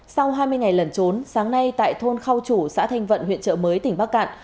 sau hai mươi ngày lẩn trốn sáng nay tại thôn khao chủ xã thanh vận huyện trợ mới tỉnh bắc cạn